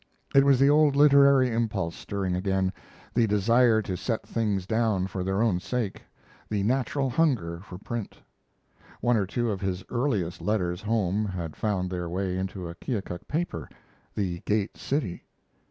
It was the old literary impulse stirring again, the desire to set things down for their own sake, the natural hunger for print. One or two of his earlier letters home had found their way into a Keokuk paper the 'Gate City'.